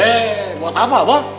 eh kemot apa pak